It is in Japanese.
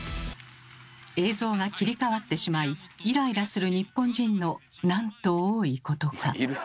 映像が切り替わってしまいイライラする日本人のなんと多いことか。